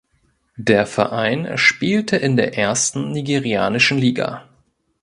Der Verein spielte in der ersten nigerianischen Liga.